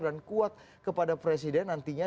dan kuat kepada presiden nantinya